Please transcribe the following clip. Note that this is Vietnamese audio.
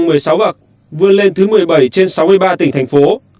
năm hai nghìn một mươi sáu bậc vươn lên thứ một mươi bảy trên sáu mươi ba tỉnh thành phố